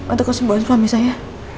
untuk kesembuhan suami saya